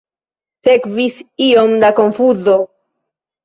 Sekvis iom da konfuzo.